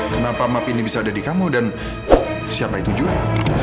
kenapa map ini bisa ada di kamu dan siapa itu juan